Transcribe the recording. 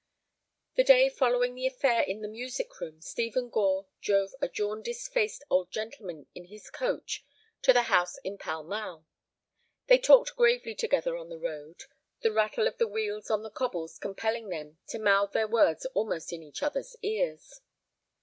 The day following the affair in the music room, Stephen Gore drove a jaundice faced old gentleman in his coach to the house in Pall Mall. They talked gravely together on the road, the rattle of the wheels on the cobbles compelling them to mouth their words almost in each other's ears.